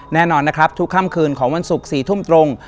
แน่นอนนะครับทุกค่ำคืนของวันศุกร์๔ทุ่มตรง